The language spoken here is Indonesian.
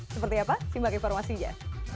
seperti apa simak informasinya